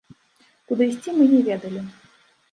Куды ісці мы не ведалі.